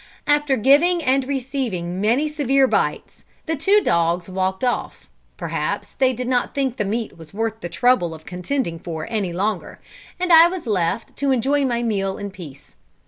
After giving and receiving many severe bites, the two dogs walked off perhaps they did not think the meat was worth the trouble of contending for any longer and I was left to enjoy my meal in peace.